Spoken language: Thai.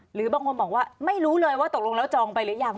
หรือบางคนบอกว่าไม่รู้เลยว่าตกลงแล้วจองไปหรือยัง